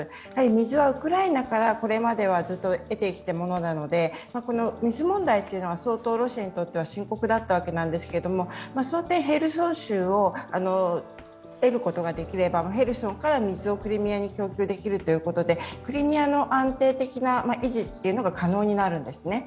水はウクライナからこれまではずっと得てきたものなので、水問題というのが相当、ロシアにとっては深刻だったわけですけどその点、ヘルソン州を得ることができれば、ヘルソンから水をクリミアに供給できるということで、クリミアの安定的な維持が可能になるんですね。